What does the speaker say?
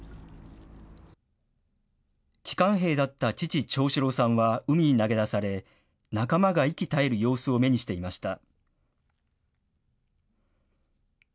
機関兵だった父、長四郎さんは海に投げ出され、仲間が息絶える様子を目にしていました。